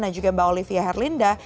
dan juga mbak olivia herlinda